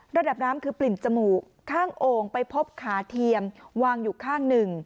ระดับน้ำคือปริ่มจมูกข้างโอ่งไปพบขาเทียมวางอยู่ข้างหนึ่ง